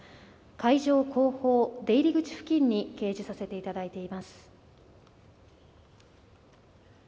会場後方出入り口付近に掲示させていただいています。